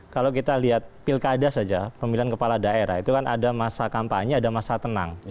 kalau kita lihat pilkada saja pemilihan kepala daerah itu kan ada masa kampanye ada masa tenang